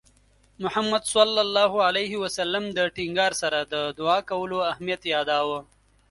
محمد صلى الله عليه وسلم د ټینګار سره د دُعا کولو اهمیت یاداوه.